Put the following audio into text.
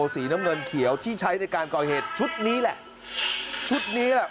สีน้ำเงินเขียวที่ใช้ในการก่อเหตุชุดนี้แหละชุดนี้แหละ